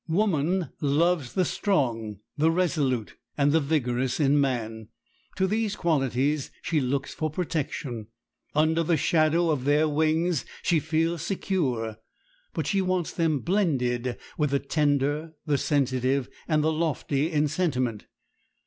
Woman loves the strong, the resolute, and the vigorous in man. To these qualities she looks for protection. Under the shadow of their wings she feels secure. But she wants them blended with the tender, the sensitive, and the lofty in sentiment.